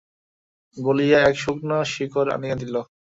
বলিয়া এক শুকনো শিকড় আনিয়া দিল।